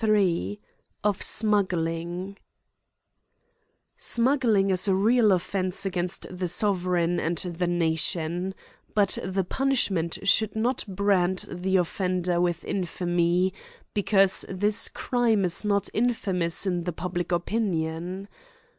XXXIIL Of Smuggling, SMUGGLING is a real offence against the sovereign and the nation ; but the punishment should not brand the offender with infamy, be cause this crime is not infamous in the public opinion.